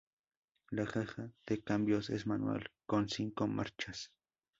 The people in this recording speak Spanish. La caja de cambios es manual, con cinco marchas.